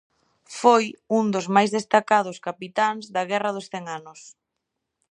Foi un dos máis destacados capitáns da Guerra dos Cen Anos.